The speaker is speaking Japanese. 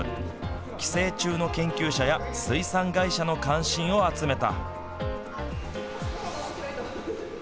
寄生虫の研究者や水産会社の関心を集めた。